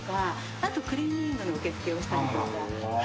あとクリーニングの受け付けをしたりとか。